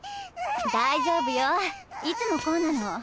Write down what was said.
大丈夫よいつもこうなの。